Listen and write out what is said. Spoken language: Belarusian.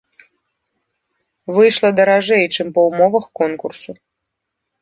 Выйшла даражэй, чым па ўмовах конкурсу.